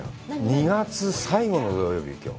２月最後の土曜日、きょう。